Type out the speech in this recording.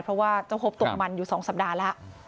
เพราะว่าเจ้าฮบตกมันอยู่๒สัปดาห์แล้ว